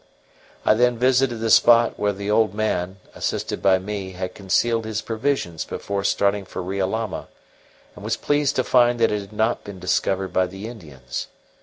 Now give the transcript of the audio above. I then visited the spot where the old man, assisted by me, had concealed his provisions before starting for Riolama, and was pleased to find that it had not been discovered by the Indians.